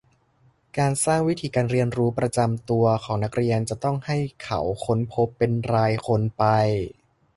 การสร้างวิถีการเรียนรู้ประจำตัวของนักเรียน จะต้องให้เขาค้นพบเป็นรายคนไป